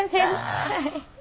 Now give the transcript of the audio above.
はい。